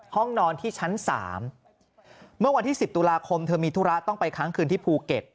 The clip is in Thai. ห้องนอนที่ชั้น๓เมื่อวันที่๑๐ตุลาคมเธอมีธุระต้องไปค้างคืนที่ภูเก็ต